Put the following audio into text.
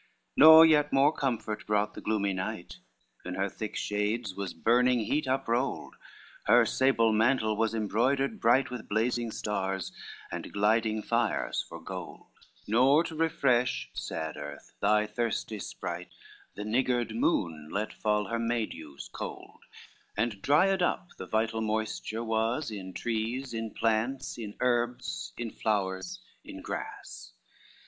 LVII Nor yet more comfort brought the gloomy night, In her thick shades was burning heat uprolled, Her sable mantle was embroidered bright With blazing stars and gliding fires for gold, Nor to refresh, sad earth, thy thirsty sprite, The niggard moon let fall her May dews cold, And dried up the vital moisture was, In trees, in plants, in herbs, in flowers, in grass.